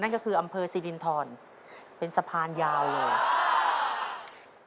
นั่นก็คืออำเภอสิรินทรเป็นสะพานยาวเลยอ่ะ